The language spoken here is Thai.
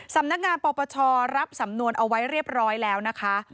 สำนักงานปปชรับสำนวนเอาไว้เรียบร้อยแล้วนะคะ